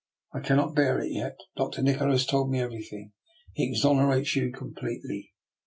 I cannot bear it yet. Dr. Nikola has told me everything. He exonerates you completely!